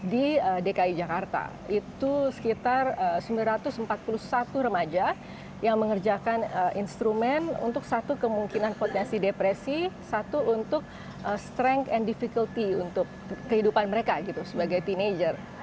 di dki jakarta itu sekitar sembilan ratus empat puluh satu remaja yang mengerjakan instrumen untuk satu kemungkinan potensi depresi satu untuk strength and difficalty untuk kehidupan mereka gitu sebagai teenager